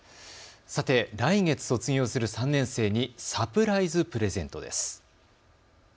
さて来月卒業する３年生にサプライズプレゼントです。